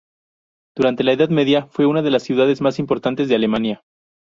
Durante la Edad Media fue una de las ciudades más importantes de Alemania.